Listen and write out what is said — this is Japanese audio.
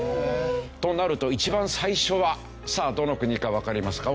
となると一番最初はさあどの国かわかりますか？